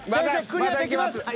クリアできます。